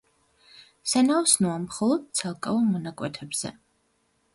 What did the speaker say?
სანაოსნოა მხოლოდ ცალკეულ მონაკვეთებზე.